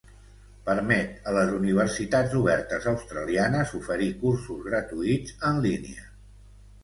Permet a les universitats obertes Australianes oferir cursos gratuïts en línia.